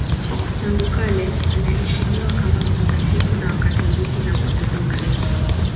Tangu kale anaheshimiwa kama mtakatifu na Wakatoliki na Waorthodoksi.